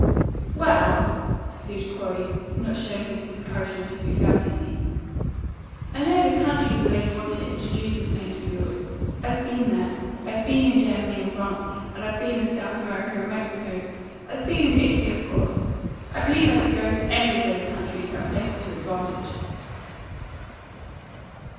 "Well," pursued Corey, not showing his discouragement if he felt any, "I know the countries where you want to introduce this paint of yours. I've been there. I've been in Germany and France and I've been in South America and Mexico; I've been in Italy, of course. I believe I could go to any of those countries and place it to advantage."